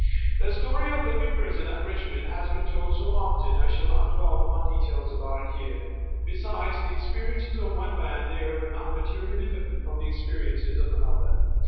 The story of Libby Prison at Richmond has been told so often I shall not dwell on details about it here. Besides, the experiences of one man there were not materially different from the experiences of another.